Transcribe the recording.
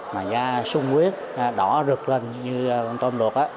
mà da sung huyết đỏ rực lên như con tôm luộc